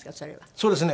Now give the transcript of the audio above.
そうですね。